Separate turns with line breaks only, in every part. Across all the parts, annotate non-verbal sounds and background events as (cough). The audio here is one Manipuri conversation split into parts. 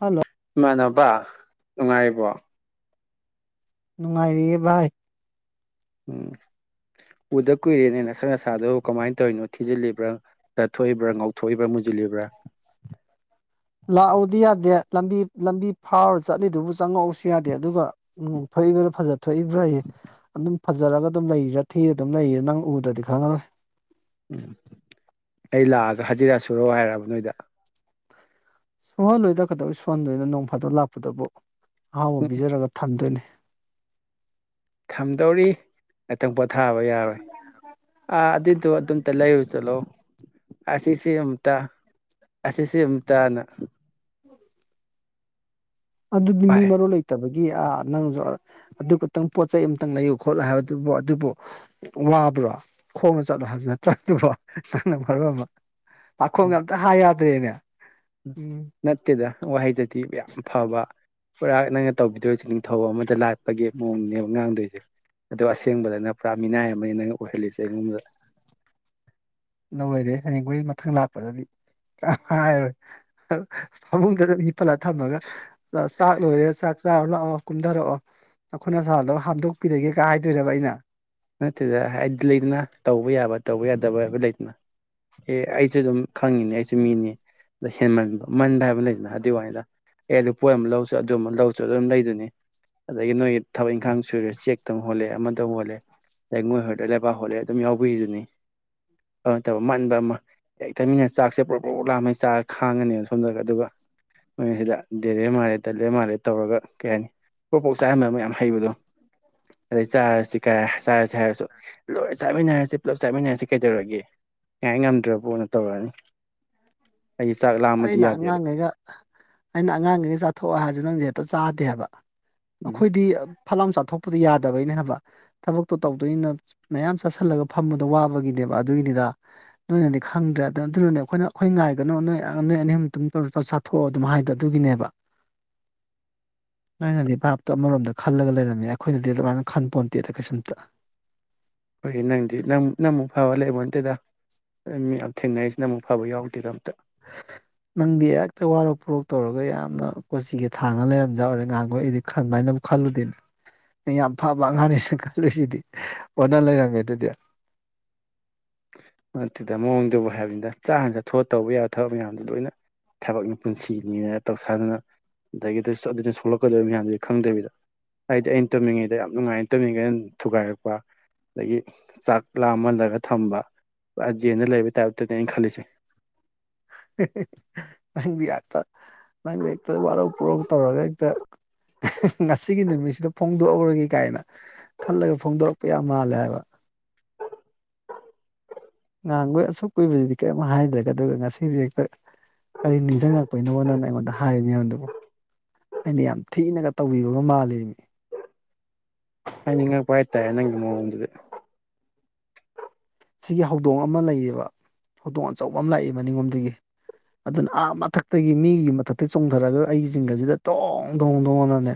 ꯍꯜꯂꯣ
ꯏꯃꯥꯟꯅꯕ ꯅꯨꯡꯉꯥꯏꯔꯤꯕꯣ
ꯅꯨꯡꯉꯥꯏꯔꯤꯌꯦ ꯚꯥꯏ
ꯎꯝ ꯎꯗ ꯀꯨꯏꯔꯦꯅꯦ ꯅꯁꯛ ꯅꯁꯥꯗꯣ ꯀꯃꯥꯏꯅ ꯇꯧꯔꯤꯅꯣ ꯊꯤꯖꯤꯜꯂꯤꯕ꯭ꯔ ꯊꯣꯛꯏꯕ꯭ꯔꯥ ꯉꯥꯎꯊꯣꯛꯏꯕ꯭ꯔꯥ ꯃꯨꯁꯤꯜꯂꯤꯕ꯭ꯔꯥ
ꯂꯥꯛꯎꯗꯤ ꯌꯥꯗꯦ ꯂꯝꯕꯤ ꯂꯝꯕꯤ ꯐꯥꯎꯔ ꯆꯠꯂꯤꯗꯨꯕꯨ ꯆꯪꯉꯛꯎꯁꯨ ꯌꯥꯗꯦ ꯑꯗꯨꯒ ꯎꯝ ꯊꯤꯕ꯭ꯔꯥ ꯐꯖ ꯊꯣꯛꯏꯕ꯭ꯔꯥꯌꯦ ꯑꯗꯨꯝ ꯐꯖꯔꯒ ꯑꯗꯨꯝ ꯂꯩꯔꯤꯔ ꯊꯤꯔ ꯑꯗꯨꯝ ꯂꯩꯔꯤꯔꯥ ꯅꯪ ꯎꯗ꯭ꯔꯗꯤ ꯈꯪꯉꯔꯣꯏ
ꯎꯝ ꯑꯩ ꯂꯥꯛꯑꯒ ꯍꯖꯤꯔ ꯁꯨꯔꯣ ꯍꯥꯏꯔꯕ ꯅꯣꯏꯗ
ꯁꯨꯍꯜꯂꯣꯏꯗ ꯀꯗꯧꯕꯩ ꯁꯨꯍꯟꯗꯣꯏꯅꯣ ꯅꯣꯡ ꯐꯥꯗꯣꯛ ꯂꯥꯛꯄꯗꯕꯨ
ꯎꯝ
ꯑꯍꯥꯎꯕ ꯄꯤꯖꯔꯒ ꯊꯝꯗꯣꯏꯅꯤ
ꯊꯝꯗꯧꯔꯤ ꯉꯥꯛꯇꯪ ꯄꯣꯊꯥꯕ ꯌꯥꯔꯣꯏ ꯑꯥ ꯑꯗꯨꯏꯗꯣ ꯑꯗꯨꯝꯇ ꯂꯩꯔꯨ ꯆꯠꯂꯣ ꯑꯁꯤꯁꯤ ꯑꯝꯇ ꯑꯁꯤꯁꯤ ꯑꯝꯇꯅ
ꯎꯝ ꯑꯗꯨꯗꯤ
ꯄꯥꯏ
ꯃꯤꯔꯣꯟ ꯂꯩ ꯂꯩꯇꯕꯒꯤ ꯑꯥ ꯅꯪꯁꯨ ꯑꯗꯨ ꯈꯛꯇꯪ ꯄꯣꯠ ꯆꯩ ꯑꯃꯇꯪ ꯂꯩꯌꯨ ꯈꯣꯠꯂꯨ ꯍꯥꯏꯕꯗꯨꯕꯨ ꯑꯗꯨꯕꯨ ꯋꯥꯕ꯭ꯔꯣ ꯈꯣꯡꯅ ꯆꯠꯂꯣ ꯍꯥꯏꯕꯁꯨ ꯅꯠꯇ꯭ꯔꯗꯨꯕꯨ ꯅꯪꯅ ꯃꯔꯣꯟ ꯑꯃ ꯄꯥꯈꯣꯡ ꯑꯝꯇ ꯍꯥꯏ ꯌꯥꯗ꯭ꯔꯦꯅꯦ ꯎꯝ
ꯅꯠꯇꯦꯗ ꯋꯥꯍꯩꯗꯗꯤ ꯌꯥꯝ ꯐꯕ ꯄꯨꯔꯥ ꯅꯪꯅ ꯇꯧꯕꯤꯗꯣꯏꯁꯦ ꯅꯤꯡꯊꯧ ꯑꯃꯗ ꯂꯥꯠꯄꯒꯤ ꯃꯑꯣꯡꯅꯦꯕ ꯉꯥꯡꯗꯣꯏꯁꯦ ꯑꯗꯣ ꯑꯁꯦꯡꯕꯗꯅ ꯄꯨꯔꯥ ꯃꯤꯅꯥꯏ ꯑꯃꯅꯤ ꯅꯪ ꯑꯣꯏꯍꯜꯂꯤꯁꯦ ꯑꯩꯉꯣꯟꯗ
ꯂꯣꯏꯔꯦ ꯍꯌꯦꯡꯈꯣꯏ ꯃꯊꯪ ꯂꯥꯛꯄꯗꯗꯤ ꯀꯩꯝ ꯍꯥꯏꯔꯔꯣꯏ ꯐꯃꯨꯡꯗ ꯑꯗꯨꯝ ꯍꯤꯞꯐꯜꯂ ꯊꯝꯃꯒ ꯆꯥꯛ ꯂꯣꯏꯔꯦ ꯆꯥꯛ ꯆꯥꯔꯣ ꯂꯥꯛꯑꯣ ꯀꯨꯝꯊꯔꯛꯑꯣ ꯅꯈꯨꯠ ꯑꯁꯥꯗꯣ ꯍꯥꯝꯗꯣꯛꯄꯤꯔꯒꯦ ꯒꯥꯏ ꯍꯥꯏꯗꯨꯏꯔꯕ ꯑꯩꯅ
ꯅꯠꯇꯦꯗ ꯍꯥꯏꯗꯤ ꯂꯩꯗꯅ ꯇꯧꯕ ꯌꯥꯕ ꯇꯧꯕ ꯌꯥꯗꯕ ꯍꯥꯏꯕ ꯂꯩꯗꯅ ꯑꯦ ꯑꯩꯁꯨ ꯑꯗꯨꯝ ꯈꯪꯉꯤꯅꯦ ꯑꯩꯁꯨ ꯃꯤꯅꯤ ꯑꯗ ꯍꯦꯟꯃꯟꯕ ꯃꯥꯟꯕ ꯍꯥꯏꯕ ꯂꯩꯗꯅ ꯑꯗꯨ ꯋꯥꯅꯤꯗ ꯑꯦ ꯂꯨꯄꯣꯏ ꯑꯃ ꯂꯧꯁꯨ ꯑꯗꯨ ꯑꯃ ꯂꯧꯁꯨ ꯑꯗꯨꯝ ꯂꯩꯗꯨꯅꯤ ꯑꯗꯒꯤ ꯅꯣꯏꯒꯤ ꯊꯕꯛ ꯏꯪꯈꯥꯡ ꯁꯨꯔꯦ ꯆꯦꯛꯛꯇꯪ ꯍꯣꯜꯂꯦ ꯑꯃꯇꯪ ꯍꯣꯜꯂꯦ ꯑꯗꯩ ꯃꯣꯏ ꯍꯣꯏꯗ ꯂꯩꯕꯥꯛ ꯍꯣꯜꯂꯦ ꯑꯗꯨꯝ ꯌꯥꯎꯕꯤꯔꯤꯗꯨꯅꯤ ꯑꯗꯨ ꯇꯧꯕ ꯃꯥꯟꯕ ꯑꯃ ꯌꯥ ꯇꯝꯃꯤꯟꯅ ꯆꯥꯛꯁꯦ ꯄꯨꯂꯞ ꯄꯨꯂꯨ ꯂꯥꯃꯩ ꯆꯥꯒ ꯈꯥꯡꯉꯅꯦ ꯁꯣꯝꯗ ꯑꯗꯨꯒ ꯃꯣꯏ ꯁꯤꯗ ꯗꯦꯔꯦ ꯃꯥꯜꯂꯦ ꯇꯠꯂꯦ ꯃꯥꯜꯂꯦ ꯇꯧꯔꯒ ꯀꯩ ꯍꯥꯏꯅꯤ ꯄꯣꯛꯄꯣꯛ ꯆꯥꯍꯟꯕ ꯑꯃ ꯌꯥꯝꯌꯥꯝ ꯍꯩꯕꯗꯣ ꯑꯗꯩ ꯆꯥꯔꯁꯤ ꯀꯌꯥ ꯆꯥꯔꯁꯤ ꯍꯥꯏꯔꯁꯨ ꯂꯣꯏ ꯆꯥꯃꯤꯟꯅꯔꯁꯤ ꯄꯨꯂꯞ ꯆꯥꯃꯤꯟꯅꯔꯁꯤ ꯀꯩꯗꯧꯔꯒꯦ ꯀꯩꯥꯏ ꯉꯝꯗ꯭ꯔꯕ ꯄꯨꯅ ꯇꯧꯔꯛꯑꯅꯤ ꯑꯩꯒꯤ ꯆꯥꯛ ꯂꯥꯡ
ꯑꯩꯅ ꯑꯉꯥꯡꯈꯩꯒ ꯑꯩꯅ ꯑꯉꯥꯡꯈꯩꯒ ꯆꯥꯊꯣꯛꯑꯣ ꯍꯥꯏꯔꯁꯨ ꯅꯪꯗꯤ ꯍꯦꯛꯇ ꯆꯥꯗꯦꯕ
ꯎꯝ
ꯑꯩꯈꯣꯏꯗꯤ ꯐꯠ ꯂꯥꯎ ꯆꯥꯊꯣꯛꯄꯗꯣ ꯌꯥꯗꯕꯩꯅ ꯍꯥꯏꯕ ꯊꯕꯛꯇꯣ ꯇꯧꯗꯣꯏꯅ ꯃꯌꯥꯝ ꯆꯥꯁꯤꯜꯂꯒ ꯐꯝꯕꯗ ꯋꯥꯕꯒꯤꯅꯦꯕ ꯑꯗꯨꯒꯤꯅꯤꯗ ꯅꯣꯏꯅꯗꯤ ꯈꯪꯗ꯭ꯔꯦ ꯑꯗ ꯑꯗꯨꯅꯅꯦ ꯑꯩꯈꯣꯏꯅ ꯑꯩꯈꯣꯏ ꯉꯥꯏꯒꯅꯣ ꯅꯣꯏ ꯅꯣꯏ ꯑꯅꯤ ꯇꯨꯝ ꯆꯥꯊꯣꯛꯑꯣ ꯑꯗꯨꯝ ꯍꯥꯏꯗꯣ ꯑꯗꯨꯒꯤꯅꯦꯕ ꯅꯣꯢꯅꯗꯤ ꯚꯥꯞꯇꯣ ꯑꯃꯔꯣꯝꯗ ꯈꯜꯂꯒ ꯂꯩꯔꯝꯃꯦ ꯑꯩꯈꯣꯏꯅꯗꯤ ꯑꯗꯨꯃꯥꯏꯅ ꯈꯟ ꯄꯣꯟꯇꯦꯗ ꯀꯩꯁꯨꯝꯇ
ꯍꯣꯏꯅꯦ ꯅꯪꯗꯤ ꯅꯪꯃꯨꯛ ꯐꯕ ꯂꯩꯕꯣꯟ ꯅꯠꯇꯦꯗ ꯃꯤ ꯌꯥꯝ ꯊꯦꯡꯅꯔꯤꯁꯤꯗ ꯅꯪꯃꯨꯛ ꯐꯕ ꯌꯥꯎꯗꯦꯗ ꯑꯝꯇ
ꯍ (inaudible) ꯅꯪꯗꯤ ꯑꯦꯛꯇ ꯋꯥꯔꯣꯛ ꯄꯨꯣꯔꯣꯛ ꯇꯧꯔꯒ ꯌꯥꯝꯅ ꯀꯣꯆꯤꯒ ꯊꯥꯡꯉ ꯂꯩꯔꯝꯖ ꯑꯣꯏꯔꯦ ꯉꯍꯥꯡꯈꯣ ꯑꯩꯗꯤ ꯈꯟꯃꯥꯏꯅꯕꯨ ꯈꯜꯂꯨꯗꯦꯅꯦ ꯌꯥꯝ ꯐꯕ ꯑꯉꯥꯡꯅꯤ ꯁ ꯈꯜꯂꯨꯁꯤꯗꯤ ꯑꯣꯟꯅ ꯂꯩꯔꯝꯃꯦ ꯑꯗꯨꯗꯤ
ꯑꯗꯨꯠꯇꯗ ꯃꯑꯣꯡꯗꯨꯕꯨ ꯍꯥꯏꯕꯅꯤꯅ ꯆꯥꯛ ꯍꯥꯟꯗ ꯊꯣꯑ ꯇꯧꯕ ꯌꯥꯕ ꯊꯕꯛ ꯃꯌꯥꯝꯗꯣ ꯂꯣꯏꯅ ꯊꯕꯛꯅꯤ ꯄꯨꯟꯁꯤꯅꯤꯅ ꯇꯧꯁꯥꯗꯨꯅ ꯑꯗꯒꯤ ꯑꯗꯨꯅ ꯁꯣꯛꯂꯛꯀꯗꯣꯏ ꯃꯌꯥꯝꯗꯨ ꯈꯪꯗꯕꯤꯗ ꯍꯥꯏꯗꯤ ꯑꯩꯅ ꯇꯣꯃꯤꯉꯩꯗ ꯌꯥꯝ ꯅꯨꯡꯉꯥꯏ ꯇꯣꯃꯤꯉꯩꯩꯅ ꯊꯨꯒꯥꯏꯔꯛꯄ ꯑꯗꯒꯤ ꯆꯥꯛ ꯂꯥꯝꯃꯜꯂꯒ ꯊꯝꯕꯖꯦꯟꯅ ꯂꯩꯕ ꯇꯥꯏꯞꯇꯅꯦ ꯑꯩꯅ ꯈꯜꯂꯤꯁꯦ
ꯅꯪꯗꯤ ꯍꯦꯛꯇ ꯅꯪꯗꯤ ꯍꯦꯛꯇ ꯋꯥꯔꯧ ꯄꯨꯔꯧ ꯇꯧꯔꯒ ꯍꯦꯛꯇ ꯉꯁꯤꯒꯤ ꯅꯨꯃꯤꯠꯁꯤꯗ ꯐꯣꯡꯗꯣꯛꯎꯔꯒꯦ ꯀꯥꯏꯅ ꯈꯜꯂꯒ ꯐꯣꯡꯗꯣꯔꯛꯄ ꯌꯥꯝ ꯃꯥꯜꯂꯦ ꯍꯥꯏꯕ ꯉꯥꯡꯕ ꯑꯁꯨꯛ ꯀꯨꯏꯕꯁꯤꯗꯤ ꯀꯔꯤꯝ ꯍꯥꯏꯗ꯭ꯔꯦꯒ ꯑꯗꯨꯒ ꯉꯁꯤꯗꯤ ꯍꯦꯛꯇ ꯀꯔꯤ ꯅꯤꯡꯁꯤꯡꯉꯛꯄꯣꯏꯅꯣ ꯅꯪꯅ ꯑꯩꯉꯣꯟꯗ ꯍꯥꯏꯔꯤꯅꯦꯗꯨꯕꯨ ꯑꯩꯅ ꯌꯥꯝ ꯊꯤꯅꯒ ꯇꯧꯕꯤꯕꯒ ꯃꯥꯜꯂꯤꯕꯅꯤ
ꯍꯥꯏꯅꯤꯡꯉꯛꯄ ꯍꯥꯏꯇꯥꯔꯦ ꯅꯪꯒꯤ ꯃꯑꯣꯡꯗꯨꯗꯤ
ꯁꯤꯒꯤ ꯍꯧꯗꯣꯡ ꯑꯃ ꯂꯩꯌꯦꯕ ꯍꯧꯗꯣꯡ ꯑꯆꯧꯕ ꯑꯃ ꯂꯥꯛꯏ ꯃꯅꯤꯡꯉꯣꯝꯗꯒꯤ ꯑꯗꯨꯅ ꯑꯥ ꯃꯊꯛꯇꯒꯤ ꯃꯤꯒꯤ ꯃꯊꯛꯇ ꯆꯣꯡꯊꯔꯒ ꯑꯩꯒꯤ ꯖꯤꯡꯒꯥꯁꯤꯗ ꯇꯣꯡ ꯗꯣꯡ ꯇꯣꯡꯑꯅꯅꯦ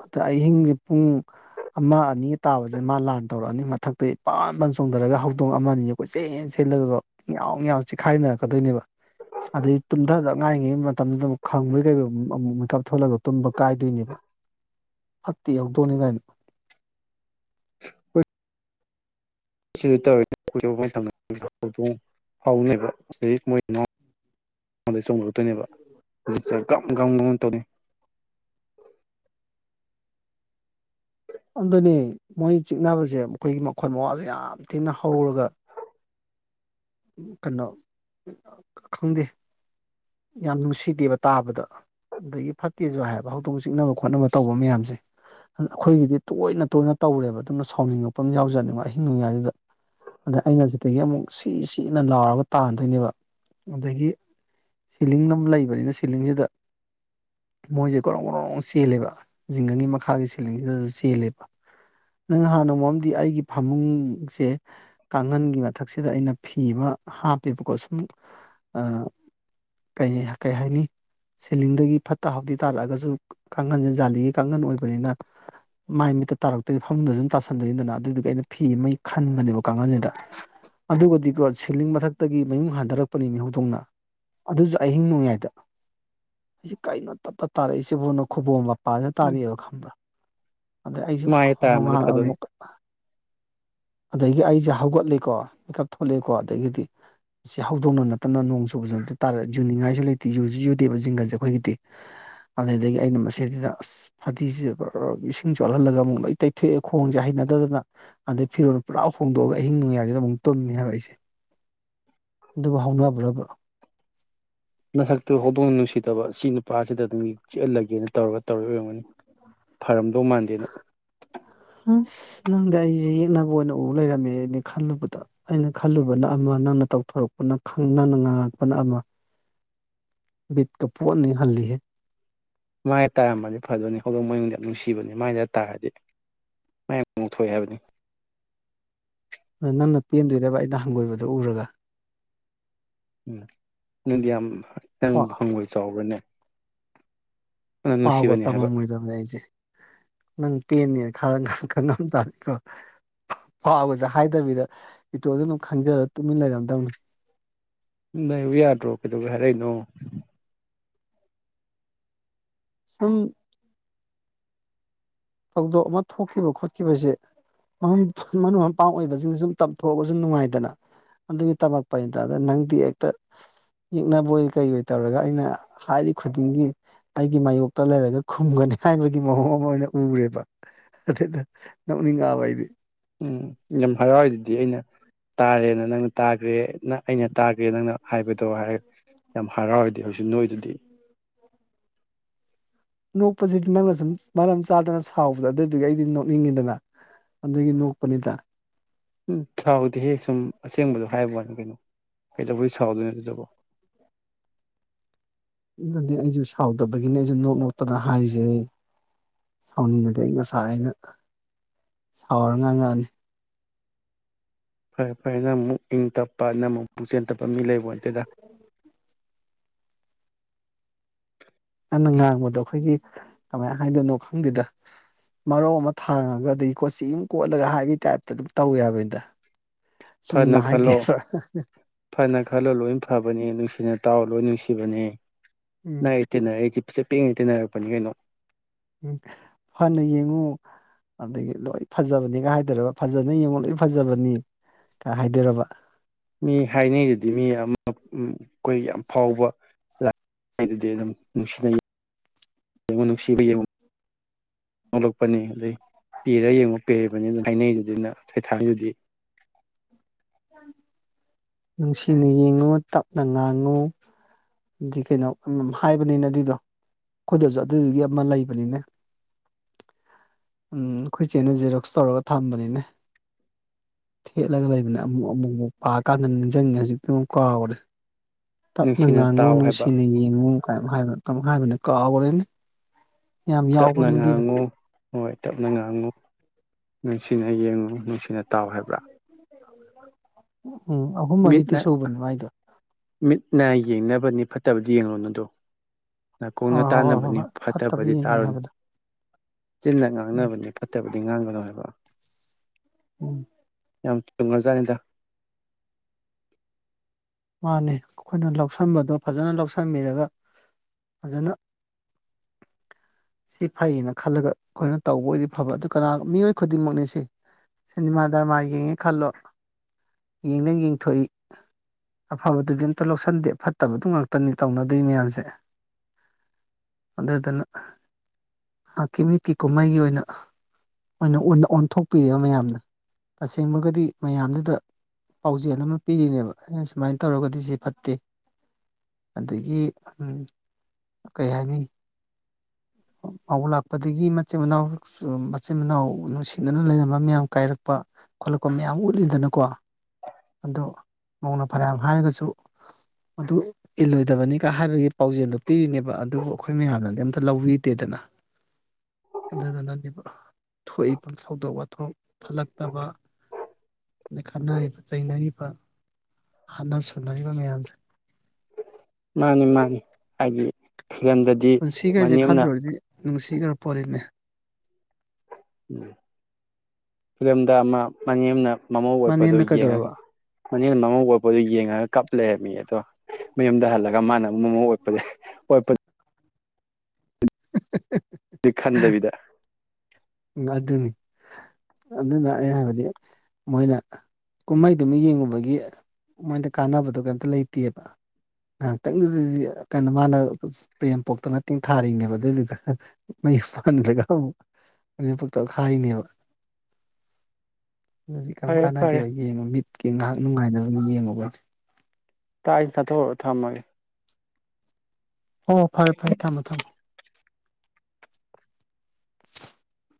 ꯑꯗꯥ ꯑꯍꯤꯡꯁꯦ ꯄꯨꯡ ꯑꯃ ꯑꯅꯤ ꯇꯥꯕꯁꯦ ꯃꯥ ꯂꯥꯟ ꯇꯧꯔꯛꯑꯅꯤ ꯃꯊꯛꯇꯒꯤ ꯐꯟ ꯐꯟ ꯆꯣꯡꯊꯔꯒ ꯍꯧꯗꯣꯡ ꯑꯃꯅꯤ ꯁꯦ ꯀꯣꯏꯆꯦꯟ ꯆꯦꯜꯂꯒꯗꯣ ꯉꯌꯥꯎ ꯉꯌꯥꯎ ꯆꯤꯈꯥꯏꯅꯔꯛꯀꯗꯣꯏꯅꯦꯕ ꯑꯗꯩ ꯇꯨꯝꯊꯗꯛ ꯉꯥꯏꯔꯤꯉꯩ ꯃꯇꯝꯗꯨꯛ ꯈꯪꯕꯣꯏ ꯀꯩꯕꯣꯏ ꯑꯃꯨꯛ ꯃꯤꯀꯞ ꯊꯣꯛꯂꯒ ꯇꯨꯝꯕ ꯀꯥꯏꯗꯣꯏꯅꯦꯕ ꯐꯠꯇꯤ ꯌꯥꯎꯗꯣꯅꯤꯀꯥꯏꯅ
ꯁꯤꯗ ꯇꯧ ꯐꯥꯎꯅꯦꯕ ꯑꯁꯤ ꯃꯣꯏ ꯃꯗꯩ ꯆꯣꯡꯅꯔꯛꯇꯣꯏꯅꯦꯕ ꯍꯧꯖꯤꯛꯁꯔ ꯀ ꯀꯝꯅ ꯇꯧꯅꯤ
ꯑꯗꯨꯅꯤ ꯃꯣꯏ ꯆꯤꯛꯅꯕꯁꯦ ꯃꯈꯣꯏꯒꯤ ꯃꯈꯣꯏ ꯃꯋꯥꯁꯦ ꯌꯥꯝ ꯊꯤꯅ ꯍꯧꯔꯒ ꯀꯅꯥꯣ ꯈꯪꯗꯦ ꯌꯥꯝ ꯅꯨꯡꯁꯤꯗꯦꯕ ꯇꯥꯕꯗ ꯑꯗꯒꯤ ꯐꯠꯇꯦꯁꯨ ꯍꯥꯏꯕ ꯍꯧꯗꯣꯡ ꯆꯤꯛꯅꯕ ꯈꯣꯠꯅꯕ ꯇꯧꯕ ꯃꯌꯥꯝꯁꯦ ꯑꯩꯈꯣꯏꯒꯤꯗꯤ ꯇꯣꯏꯅ ꯇꯣꯏꯅ ꯇꯧꯔꯦꯕ ꯑꯗꯨꯝꯅ ꯁꯥꯎꯅꯤꯡꯉꯛꯄ ꯑꯃ ꯌꯥꯎꯖꯅꯤꯡꯕ ꯑꯍꯤꯡ ꯑꯣꯏꯉꯩꯗꯨꯗ ꯑꯗ ꯑꯩꯅꯖꯤꯗꯒꯤ ꯑꯃꯨꯛ ꯁꯤ ꯁꯤꯅ ꯂꯥꯎꯔꯒ ꯇꯥꯟꯗꯣꯏꯅꯦꯕ ꯑꯗꯒꯤ ꯁꯤꯂꯤꯡ ꯑꯃꯝ ꯂꯩꯕꯅꯤꯅ ꯁꯤꯂꯤꯡꯁꯤꯗ ꯃꯣꯏꯖꯦ ꯒꯣꯔꯣꯡ ꯒꯣꯔꯣꯡꯑꯅꯥ ꯆꯦꯜꯂꯦꯕ ꯖꯤꯡꯒꯒꯤ ꯃꯈꯥꯒꯤ ꯁꯦꯂꯤꯡꯁꯤꯗꯁꯨ ꯆꯦꯜꯂꯦꯕ ꯑꯩ ꯅꯍꯥꯟ ꯅꯣꯡꯃ ꯑꯃꯥꯗꯤ ꯑꯩꯒꯤ ꯐꯃꯨꯡꯁꯦ ꯀꯥꯡꯒꯟꯒꯤ ꯃꯊꯛꯁꯤꯗ ꯑꯩꯅ ꯐꯤ ꯑꯃ ꯍꯥꯞꯄꯦꯕꯀꯣ ꯁꯨꯝ ꯑ ꯀꯩ ꯀꯩ ꯍꯥꯏꯅꯤ ꯁꯦꯂꯤꯡꯗꯒꯤ ꯐꯠꯇ ꯍꯥꯎꯊꯤ ꯇꯥꯔꯛꯑꯒꯖꯨ ꯀꯥꯡꯒꯟꯖꯦ ꯖꯥꯂꯤꯒꯤ ꯀꯥꯡꯒꯟ ꯑꯣꯏꯕꯅꯤꯅ ꯃꯥꯏ ꯃꯤꯠꯇ ꯇꯥꯔꯛꯇꯣꯏ ꯐꯃꯨꯡꯗꯖꯨ ꯗꯨꯝ ꯇꯥꯁꯟꯗꯣꯏꯅꯤꯗꯅ ꯑꯗꯨꯗꯨꯒꯤ ꯑꯩꯅ ꯐꯤ ꯑꯃ ꯈꯟꯕꯅꯦꯕ ꯀꯥꯡꯒꯟꯖꯤꯗ ꯑꯗꯨꯒꯗꯤꯀꯣ ꯁꯤꯂꯤꯡ ꯃꯊꯛꯇꯒꯤ ꯃꯌꯨꯡ ꯍꯟꯗꯔꯛꯄꯅꯤ ꯃꯤ ꯍꯧꯗꯣꯡꯅ ꯑꯗꯨꯖꯨ ꯑꯍꯤꯡ ꯅꯣꯡꯌꯥꯥꯏꯗ ꯑꯩꯁꯦ ꯀꯩꯅꯣ ꯇꯠ ꯇꯠ ꯇꯥꯔꯛꯏꯁꯤꯕꫭꯅ ꯈꯨꯕꯣꯝ ꯃ ꯄꯥꯖꯤꯗ
ꯎꯝ
ꯇꯥꯔꯛꯑꯦꯕ ꯈꯪꯕ꯭ꯔ ꯑꯗ ꯑꯩꯁꯦ
ꯃꯥꯏ
ꯅꯨꯡꯉꯥꯜ
ꯇꯥꯔꯝꯃꯗꯤ ꯐꯗꯣꯏꯅꯤ
ꯂꯛꯑꯕꯅꯤꯀꫭ ꯑꯗꯒꯤ ꯑꯩꯖꯦ ꯍꯧꯒꯠꯂꯦꯀꯣ ꯃꯤꯀꯞ ꯊꯣꯛꯂꯛꯑꯦꯀꯣ ꯑꯗꯒꯤꯗꯤ ꯁꯤ ꯍꯧꯗꯣꯛꯅ ꯅꯠꯇꯅ ꯅꯣꯡ ꯆꯨꯕꯁꯨ ꯅ ꯇꯥꯔ ꯌꯨꯅꯤꯡꯉꯥꯏꯁꯨ ꯂꯩꯇꯦ ꯌꯨꯁꯨ ꯌꯨꯗꯦꯕ ꯖꯤꯡꯒꯁꯦ ꯑꯩꯈꯣꯏꯒꯤꯗꯤ ꯑꯗꯨꯗꯒꯤ ꯑꯩꯅ ꯃꯁꯤꯗꯨꯗ ꯑꯁ ꯐꯗꯤꯁꯤ ꯏꯁꯤꯡ ꯆꯣꯠꯍꯜꯂꯒ ꯑꯃꯨꯛ ꯂꯣꯏ ꯇꯩ ꯑꯗꯩ ꯑꯩ ꯈꯣꯡꯁꯦ ꯍꯩꯅꯗꯗꯅ ꯑꯗꯩ ꯐꯤꯔꯣꯟꯜ ꯄꯨꯔꯥ ꯍꯣꯡꯗꯣꯛꯑꯒ ꯑꯍꯤꯡ ꯅꯣꯡꯌꯥꯏꯁꯤꯗ ꯑꯃꯨꯛ ꯇꯨꯝꯃꯦ ꯍꯥꯏꯕ ꯑꯩꯁꯦ ꯑꯗꯨꯕꯨ ꯍꯧꯅꯕ꯭ꯔꯒ
ꯅꯍꯥꯛꯇꯨ ꯍꯧꯗꯣꯡ ꯅꯨꯡꯁꯤꯗꯕ ꯁꯤ ꯅꯨꯄꯥꯁꯤꯗꯗꯤ ꯆꯤꯛꯍꯜꯂꯥꯒꯦꯅ ꯇꯧꯔꯒ ꯇꯧꯔ ꯑꯣꯏꯔꯝꯒꯅꯤ ꯐꯔꯝꯗꯧ ꯃꯥꯟꯗꯦꯅ
ꯑꯁ ꯅꯪꯗꯤ ꯑꯩꯁꯦ ꯌꯦꯛꯅꯕ ꯑꯣꯏꯅ ꯎ ꯂꯩꯔꯝꯃꯦꯅꯦ ꯈꯜꯂꯨꯕꯗ ꯑꯩꯅ ꯈꯜꯂꯨꯕꯅ ꯑꯃ ꯅꯪꯅ ꯇꯧꯊꯣꯔꯛꯄꯅ ꯈꯪ ꯅꯪꯅ ꯉꯥꯡꯉꯛꯄꯅ ꯑꯃ ꯕꯤꯠꯀ ꯄꯨꯡꯍꯟ ꯍꯦꯛ ꯍꯜꯂꯤꯍꯦ
ꯃꯥꯥꯏ ꯇꯥꯔꯝꯃꯗꯤ ꯐꯗꯣꯏꯅꯤ ꯍꯧꯗꯣꯡ ꯃꯌꯨꯡꯗꯤ ꯅꯨꯡꯁꯤꯕꯅꯤ ꯃꯥꯏꯗ ꯇꯥꯔꯗꯤ ꯃꯥꯏ ꯌꯥꯝ ꯉꯧꯊꯣꯛꯑꯦ ꯍꯥꯏꯕꯅꯤ
ꯑ ꯅꯪꯅ ꯄꯦꯟꯗꯣꯏꯔꯥꯕ ꯑꯩꯩꯅ ꯍꯪꯒꯣꯏꯕꯗꯣ ꯎꯔꯒ
ꯎꯝ ꯅꯪꯗꯤ ꯌꯥꯝ ꯅꯪ ꯍꯪꯉꯣꯏ ꯆꯥꯎꯕ꯭ꯔꯅꯦ ꯌꯥꯝ
ꯄꯥꯎꯒ
ꯅꯨꯡꯁꯤꯕꯅꯤ ꯍꯥꯏꯕ
ꯇꯝꯃꯝꯃꯣꯏꯗꯕꯅꯦ ꯑꯩꯁꯦ ꯅꯪ ꯄꯦꯟꯅꯦ ꯈꯪꯉꯝ ꯈꯪꯉꯝ ꯇꯥꯗꯤꯀꯣ ꯐꯥꯎꯒꯖꯦ ꯍꯥꯏꯗꯕꯤꯗ ꯏꯇꯣꯟꯗ ꯑꯗꯨꯝ ꯈꯟꯖꯔꯥ ꯇꯨꯃꯤꯟ ꯂꯩꯔꯝꯗꯧꯅꯤ
ꯂꯩꯌꯨ ꯌꯥꯗ꯭ꯔꯣ ꯀꯩꯗꯧꯕꯩ ꯍꯥꯏꯔꯛꯏꯅꯣ
ꯁꯨꯝ ꯊꯧꯗꯣꯛ ꯑꯃ ꯊꯣꯛꯈꯤꯕ ꯈꯣꯠꯈꯤꯕꯖꯦ ꯃꯔꯨꯞ ꯃꯔꯨꯞ ꯃꯄꯥꯡ ꯑꯣꯏꯕꯖꯤꯜꯗ ꯁꯨꯝ ꯇꯝꯊꯣꯛꯄꯖꯨ ꯅꯨꯡꯉꯥꯏꯗꯅ ꯑꯗꯨꯒꯤ ꯇꯝꯃꯛꯄꯅꯤꯗ ꯑꯗ ꯅꯪꯗꯤ ꯍꯦꯛꯇ ꯌꯦꯛꯅꯕꯣꯏ ꯀꯩꯕꯣꯏ ꯇꯧꯔꯒ ꯑꯩꯅ ꯍꯥꯏꯔꯤ ꯈꯨꯗꯤꯡꯒꯤ ꯑꯩꯒꯤ ꯃꯥꯌꯣꯛꯇ ꯂꯩꯔꯒ ꯈꯨꯝꯒꯅꯤ ꯍꯥꯏꯕꯒꯤ ꯃꯑꯣꯡ ꯑꯃ ꯑꯣꯏꯅ ꯎꯔꯦꯕ ꯑꯗꯨꯗ ꯅꯣꯛꯅꯤꯡꯉꯛꯑꯕ ꯑꯩꯗꯤ
ꯎꯝ ꯌꯥꯝ ꯍꯔꯥꯎꯗꯨꯗꯤ ꯑꯩꯅ ꯇꯥꯔꯦꯅ ꯅꯪꯅ ꯇꯥꯒ꯭ꯔꯦ ꯑꯩꯅ ꯇꯥꯒ꯭ꯔꯦ ꯅꯪꯅ ꯍꯥꯏꯕꯗꯣ ꯍꯥꯏꯔ ꯌꯥꯝ ꯍꯔꯥꯎꯔꯤꯗꯤ ꯑꯩꯖꯨ ꯅꯣꯛꯏꯗꯨꯗꯤ
ꯅꯣꯛꯄꯖꯤꯗꯤ ꯅꯪꯅ ꯁꯨꯝ ꯃꯔꯝ ꯆꯥꯗꯅ ꯁꯥꯎꯕꯗ ꯑꯗꯨꯗꯨꯒꯤ ꯑꯩꯗꯤ ꯅꯣꯛꯅꯤꯡꯉꯤꯗꯅ ꯑꯗꯨꯒꯤ ꯅꯣꯛꯄꯅꯤꯗ
ꯎꯝ ꯁꯥꯎꯗꯦꯍꯦ ꯁꯨꯝ ꯑꯁꯦꯡꯕꯗꯣ ꯍꯥꯏꯕꯩ ꯋꯥꯅꯤ ꯀꯩꯅꯣ ꯀꯩꯗꯧꯕꯩ ꯁꯥꯎꯗꯣꯏꯅꯣ ꯑꯗꯨꯕꯨ
ꯑꯗꯨꯅꯅꯦ ꯑꯩꯖꯨ ꯁꯥꯎꯗꯕꯒꯤꯅꯦ ꯑꯩꯖꯨ ꯅꯣꯛ ꯅꯣꯛꯇꯅ ꯍꯥꯏꯔꯤꯖꯦ ꯁꯥꯎꯅꯤꯡꯉꯗꯤ ꯑꯩ ꯉꯁꯥꯏꯅ ꯁꯥꯎꯔ ꯉꯥꯡꯉꯛꯑꯅꯤ
ꯐꯔꯦ ꯐꯔꯦ ꯅꯪꯃꯨꯛ ꯏꯪ ꯇꯞꯄ ꯅꯪꯃꯨꯛ ꯄꯨꯛ ꯆꯦꯜ ꯇꯞꯄ ꯃꯤ ꯂꯩꯔꯝꯃꫭꯏ ꯑꯗꯨꯅ
ꯅꯪꯅꯥ ꯉꯥꯡꯕꯗꯣ ꯑꯩꯈꯣꯏꯒꯤ ꯀꯃꯥꯏꯅ ꯍꯥꯏꯗꯣꯏꯅꯣ ꯈꯪꯗꯦꯗ ꯃꯔꯧ ꯑꯃ ꯊꯥꯡꯉꯒ ꯑꯗꯩ ꯀꯣꯆꯤ ꯃꯨꯛ ꯀꯣꯠꯂꯒ ꯍꯥꯏꯕꯒꯤ ꯇꯥꯏꯞꯇ ꯑꯗꯨꯝ ꯇꯧꯋꯦ ꯍꯥꯏꯕꯅꯤꯗ
ꯐꯅ
ꯆꯨꯝꯅ
ꯈꯜꯂꯣ
ꯍꯥꯏꯗꯦꯕ
ꯐꯅ ꯈꯜꯂꫭ ꯂꯣꯏ ꯐꯕꯅꯦ ꯅꯨꯡꯁꯤꯅ ꯇꯥꯎ ꯂꯣꯏ ꯅꯨꯡꯁꯤꯕꯅꯦ
ꯎꯝ
ꯂꯩ ꯇꯤꯟꯅꯔꯛꯏꯖꯩ ꯄꯤꯁꯛ ꯄꯤꯛꯏꯉꯩ ꯇꯤꯟꯅꯔꯛꯄꯅꯤ ꯀꯩꯅꯣ
ꯎꯝ ꯐꯅ ꯌꯦꯡꯉꯨ ꯑꯗꯒꯤ ꯂꯣꯏ ꯐꯖꯕꯅꯤꯒ ꯍꯥꯏꯗꯣꯏꯔꯕ ꯐꯖꯅ ꯌꯦꯡꯉꯨ ꯂꯣꯏ ꯐꯖꯕꯅꯤꯀ ꯍꯥꯏꯗꯣꯏꯔꯕ
ꯃꯤ ꯍꯥꯏꯅꯩꯗꯨꯗꯤ ꯃꯤ ꯑꯃ ꯎꯝ ꯑꯩꯈꯣꯏ ꯌꯥꯝ ꯐꯥꯎꯕ ꯂꯗꯨꯗꯤ ꯑꯗꯨꯝ (unintelligible) ꯅꯨꯡꯁꯤꯅ ꯌꯦꯡꯉꯨ ꯅꯨꯡꯁꯤꯕ ꯌꯦꯡꯉꯨ ꯊꯣꯛꯂꯛꯄꯅꯤ ꯑꯗꯩ ‌ꯄ‌ꯦꯔꯥ ꯌꯦꯡꯉ‌ꯣ ꯄꯦꯕꯅꯤ ꯑꯗꯨꯝ ꯍꯥꯏꯅꯩꯗꯨꯗꯤ ꯅ ꯁꯩꯊꯥꯏꯗꯨꯗꯤ
ꯅꯨꯡꯁꯤꯅ ꯌꯦꯡꯉꯨ ꯇꯞꯅ ꯉꯥꯡꯉꯨ ꯗꯤ ꯀꯩꯅꯣ ꯎꯝ ꯍꯥꯏꯕꯅꯤꯅ‌ꯦ ꯑꯗꯨꯏꯗꯣ ꯑꯩꯈꯣꯏꯗꯁꯨ ꯑꯗꯨꯗꯨꯒꯤ ꯑꯃ ꯂꯩꯕꯅꯤꯅꯦ ꯎꯝ ꯑꯩꯈꯣꯏ ꯆꯦꯅ ꯖꯦꯔꯣꯛꯁ ꯇꯧꯔꯒ ꯊꯝꯕꯅꯤꯅꯦ ꯊꯦꯠꯂꯒ ꯂꯩꯕꯅꯦ ꯑꯃꯨ ꯑꯃꯨꯃꯨꯛ ꯄꯥꯀꯥꯟꯗ ꯅꯤꯡꯁꯤꯡꯉꯦ ꯍꯧꯖꯤꯛꯇꯤ ꯑꯃꯨꯛ ꯀꯥꯎꯈ꯭ꯔ‌ꯦ ꯇꯞꯅ
ꯅꯨꯡꯁꯤꯅ
ꯉꯥꯡꯉꯨ
ꯇꯥꯎ ꯍꯥꯏꯕ
ꯅꯨꯡꯁꯤꯅ ꯌꯦꯡꯉꯨ ꯀꯩꯝ ꯀꯩꯅ‌ꯣꯝ ꯍꯥꯏꯕꯅ‌ꯦ ꯀꯥꯎꯈ꯭ꯔꯦꯅꯦ ꯌꯥꯝ
ꯇꯞꯅ
ꯌꯥꯎꯕꯅꯤ ꯑꯗꯨꯏꯗꯨ
ꯉꯥꯡꯉꯨ ꯍꯣꯏ ꯇꯞꯅ ꯉꯥꯡꯉꯨ ꯅꯨꯡꯁꯤꯅ ꯌꯦꯡꯉꯨ ꯅꯨꯡꯁꯤꯅ ꯇꯥꯎ ꯍꯥꯏꯕ꯭ꯔꯥ
ꯎꯝ ꯑꯍꯨꯝ ꯃꯔꯤꯗꯤ
ꯃꯤꯠꯅ
ꯁꯨꯕꯅꯦ ꯃꯥꯏꯗꯣ
ꯃꯤꯠꯅ ꯌꯦꯡꯅꯕꯅꯤ ꯐꯠꯇꯕꯗꯤ ꯌꯦꯡꯉꯨꯅꫭꯗꯨ ꯅꯥꯀꯣꯡꯅ
ꯑꯥ ꯍꯣꯏ ꯍꯣꯏ ꯍꯣꯏ
ꯇꯥꯟꯅꯕꯅꯤ
ꯍꯣꯏ ꯐꯠꯇꯕ
ꯐꯠꯇꯕꯗꯤ
ꯌꯦꯡꯒꯅꯨ
ꯇꯥꯔꯨꯅꯨ
ꯍꯥꯏꯕꯗꯣ
ꯆꯤꯟꯅ
ꯎꯝ
ꯉꯥꯡꯅꯕꯅꯤ ꯐꯠꯇꯕꯗꯤ ꯉꯥꯡꯒꯅꯨ ꯍꯥꯏꯕ
ꯎꯝ (inaudible) (unintelligible)
ꯌꯥꯝ ꯆꯨꯝꯉꯔꯖꯥꯠꯅꯤꯗ
ꯃꯥꯅꯦ ꯑꯩꯈꯣꯏꯅ ꯂꯧꯁꯟꯕꯗꯣ ꯐꯖꯅ ꯂꯧꯁꯟꯕꯤꯔꯒ ꯐꯖꯅ (unintelligible) (inaudible) ꯁꯤ ꯐꯩꯌꯦꯅ ꯈꯜꯂꯒ ꯑꯩꯈꯣꯏꯅ ꯇꯧꯕ ꯑꯣꯏꯗꯤ ꯐꯕ ꯑꯗꯨ ꯀꯅꯥꯒ ꯃꯤꯑꯣꯏ ꯈꯨꯗꯤꯡꯃꯛꯅꯦ ꯁꯤ ꯁꯤꯅꯦꯃꯥ ꯗꯔꯃꯥ ꯌꯦꯡꯉꯦ ꯈꯜꯂꯣ ꯌꯦꯡꯗꯪ ꯌꯦꯡꯊꯣꯛꯏ ꯑꯐꯕꯗꯨꯗꯤ ꯑꯝꯇ ꯂꯧꯁꯟꯗꯦ ꯐꯠꯇꯕꯗꯨ ꯉꯥꯛꯇꯅꯤ ꯇꯧꯅꯗꯣꯏ ꯃꯌꯥꯝꯁꯦ ꯑꯗꯨꯗꯨꯅ ꯑꯥ ꯀꯤꯃꯤꯠꯀꯤ ꯀꯨꯝꯍꯩꯒꯤ ꯑꯣꯏꯅ ꯑꯣꯏꯅ ꯑꯣꯟꯅ ꯑꯣꯟꯊꯣꯛꯄꯤꯔ‌ꯦꯕ ꯃꯌꯥꯝꯅ ꯇꯁꯦꯡꯕꯒꯤꯗꯤ ꯃꯌꯥꯝꯗꯨꯗ ꯄꯥꯎꯖꯦꯜ ꯑꯃ ꯄꯤꯔꯤꯅꯦꯕ ꯑꯩꯅ ꯁꯨꯃꯥꯏꯅ ꯇꯧꯔꯒꯗꯤ ꯁꯤ ꯐꯠꯇꯦ ꯑꯗꯒꯤ ꯀꯩ ꯍꯥꯏꯅꯤ ꯃꯧ ꯂꯥꯛꯄꯗꯒꯤ ꯃꯆꯤꯟ ꯃꯅꯥꯎ ꯃꯆꯤꯟ ꯃꯅꯥꯎ ꯅꯨꯡꯁꯤꯅꯅ ꯂꯩꯔꯝꯕ ꯃꯌꯥꯝ ꯀꯥꯏꯔꯛꯄ ꯈꯣꯠꯂꯛꯄ ꯃꯌꯥꯝ ꯎꯠꯂꯤꯗꯅꯀꯣ ꯑꯗꯣ ꯃꯧꯅ ꯐꯅꯌꯥꯝ ꯍꯥꯏꯔꯒꯁꯨ ꯑꯗꯨ ꯏꯜꯂꯣꯏꯗꯕꯅꯤꯒ ꯍꯥꯏꯕꯒꯤ ꯄꯥꯎꯖꯦꯜꯗꯨ ꯄꯤꯔꯤꯅꯦꯕ ꯑꯗꯨꯕꯨ ꯑꯩꯈꯣꯏ ꯃꯌꯥꯝꯅꯗꯤ ꯑꯝꯇ ꯂꯧꯕꯤ ꯇꯦꯗꯅ ꯑꯗꯨꯗꯨꯅꯅꯦꯕ ꯊꯣꯛꯏꯕ ꯄꯪꯁꯥꯎꯗ ꯋꯥꯊꯣꯛ ꯐꯠꯂꯛꯇꯕ ꯑꯗꯩ ꯈꯠꯅꯔꯤꯕ ꯆꯩꯅꯔꯤꯕ ꯍꯥꯠꯅ ꯁꯨꯅꯔꯤꯕ ꯃꯌꯥꯝꯁꯦ
ꯃꯥꯅꯤ ꯃꯥꯅꯤ ꯍꯥꯏꯗꯤ ꯐꯤꯂꯝꯗ
ꯄꯨꯟꯁꯤꯒꯁꯦ ꯈꯜꯂꯨꯔꯗꯤ ꯅꯨꯡꯁꯤꯈ꯭ꯔ ꯄꯣꯠꯅꯤꯅꯦ
ꯎ ꯐꯤꯂꯝꯗ ꯑꯃ ꯃꯅꯦꯝꯅ ꯃꯃꯧ ꯑꯣꯠꯄꯗꯣ
ꯃꯅꯦꯝꯅ
ꯌꯦꯡꯉꯒ
ꯀꯩꯗꯧꯔꯕ
ꯃꯅꯦꯝꯅ ꯃꯃꯧ ꯑꯣꯠꯄꯗꯣ ꯌꯦꯡꯉꯒ ꯀꯞ ꯂꯩꯔꯝꯃ‌ꯦꯌ‌ꯦ ꯑꯗꯣ ꯃꯌꯨꯝꯗ ꯍꯜꯂꯒ ꯃꯥꯅ ꯃꯃꯧ ꯑꯣꯠꯄꯖ‌ꯦ ꯑꯣꯠꯄ
(unintelligible)
ꯑꯗꯨ ꯈꯟꯗꯕꯤꯗ
ꯎꯝ ꯑꯗꯨꯅꯤ ꯑꯗꯨꯅ ꯑꯩ ꯍꯥꯏꯕꯗꯤ ꯃꯣꯏꯅ ꯀꯨꯝꯍꯩꯗꯨꯃ ꯌꯦꯡꯉꯨꯕꯒꯤ ꯃꯣꯏꯗ ꯀꯥꯟꯅꯕꯗꯣ ꯀꯩꯝꯇ ꯂꯩꯇꯦꯕ ꯉꯥꯏꯍꯥꯛꯇꯪꯗꯨꯗꯗꯤ ꯀꯩꯅꯣ ꯃꯥꯅ ꯄ꯭ꯔꯦꯝ ꯄꯣꯛꯇꯅ ꯇꯦꯡꯊꯥꯔꯤꯅꯦꯕ ꯑꯗꯨꯗꯨꯒ (unintelligible) ꯃꯅ‌ꯦꯝꯄ‌ꯣꯛꯇ ꯑꯣꯠꯈꯥꯏꯅꯦꯕ ꯑꯗꯨꯗꯤ ꯀꯝ
ꯐꯔꯦ ꯐꯔꯦ
ꯀꯥꯟꯅꯗꯦꯕ ꯑꯩ ꯌꯦꯡꯉꯣ ꯃꯤꯠꯀꯤ ꯉꯥꯏꯍꯥꯛ ꯅꯨꯡꯉꯥꯏꯅꯕꯗꯤ ꯌꯦꯡꯉ‌ꯣꯕ
ꯇꯥ ꯑꯩ ꯆꯥꯊꯣꯛꯎꯔ‌ꯣ ꯊꯝꯃꯒꯦ
ꯑꯣ ꯐꯔꯦ ꯐꯔ‌ꯦ ꯊꯝꯃ‌ꯣ ꯊꯝꯃꯣ (unintelligible)